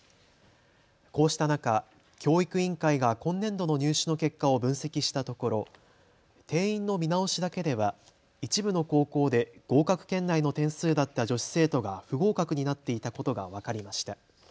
こうした中、教育委員会が今年度の入試の結果を分析したところ定員の見直しだけでは一部の高校で合格圏内の点数だった女子生徒が不合格になっていたことが分かりました。